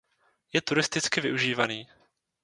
Je turisticky využívaný.